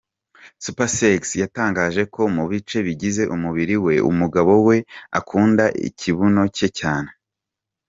Supersexy yatangaje ko mu bice bigize umubiri we umugabo we akunda ikibuno cye cyane.